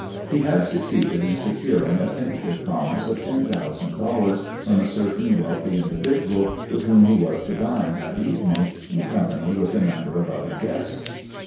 He had succeeded in securing a tentative promise of ten thousand dollars from a certain wealthy individual with whom he was to dine that evening, in company with a number of other guests.